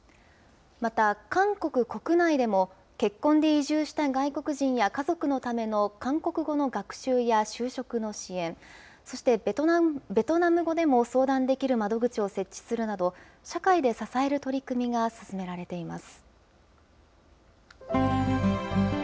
また、韓国国内でも、結婚で移住した外国人や家族のための韓国語の学習や就職の支援、そしてベトナム語でも相談できる窓口を設置するなど、社会で支える取り組みが進められています。